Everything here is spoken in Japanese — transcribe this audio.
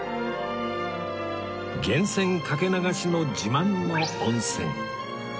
源泉かけ流しの自慢の温泉